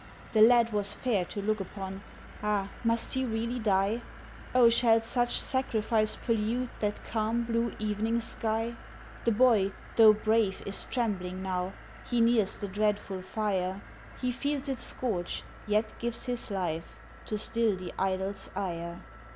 The lad was fair to look upon, Ah! must he really die, Oh! shall such sacrifice pollute That calm blue evening sky? The boy, though brave, is trembling now, He nears the dreadful fire, He feels its scorch, yet gives his life, To still the idol's ire.